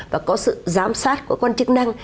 và có sự giám sát của quan chức năng